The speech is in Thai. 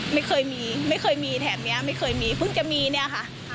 ไม่เคยมีไม่เคยมีแถบนี้ไม่เคยมีเพิ่งจะมีเนี่ยค่ะ